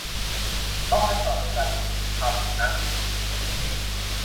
เพราะขั้นตอนในการลงมือทำนั้นเหมือนกันเป๊ะ